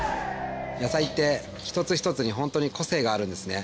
野菜って１つ１つにホントに個性があるんですね。